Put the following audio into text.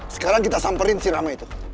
sekarang kita samperin si rama itu